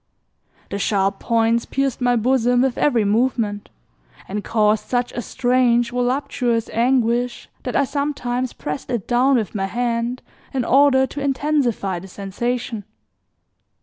The sharp points pierced my bosom with every movement and caused such a strange voluptuous anguish that I sometimes pressed it down with my hand in order to intensify the sensation.